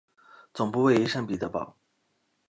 总部位于圣彼得堡。